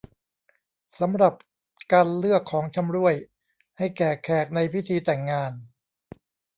สำหรับการเลือก ของชำร่วย ให้แก่แขกในพิธีแต่งงาน